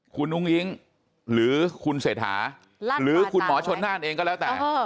คุณอุ้งอิ๊งหรือคุณเศรษฐาหรือคุณหมอชนน่านเองก็แล้วแต่